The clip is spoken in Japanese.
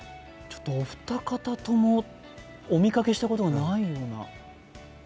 お二方ともお見かけしたことがないような。